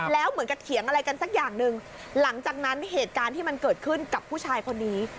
แล้วเหมือนกับเถียงอะไรกันสักอย่างหนึ่งหลังจากนั้นเหตุการณ์ที่มันเกิดขึ้นกับผู้ชายคนนี้